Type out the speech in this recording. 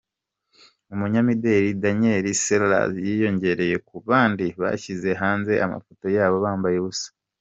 Umunyamideli Danielle Sellers yiyongereye ku bandi bashyize hanze amafoto yabo bambaye ubusa.